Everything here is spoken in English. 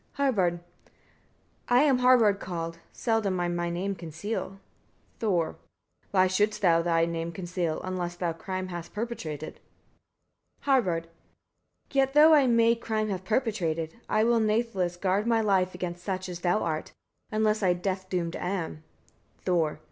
Harbard. 10. I am Harbard called; seldom I my name conceal. Thor. 11. Why shouldst thou thy name conceal, unless thou crime hast perpetrated? Harbard. 12. Yet, though I may crime have perpetrated, I will nathless guard my life against such as thou art; unless I death doomed am. Thor.